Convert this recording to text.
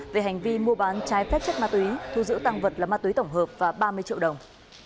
về hành vi mua bán trái phép chất ma túy thu giữ tăng vật là ma túy tổng hợp và ba mươi triệu đồng